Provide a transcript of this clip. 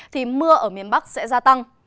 thì mưa ở miền bắc sẽ gia tăng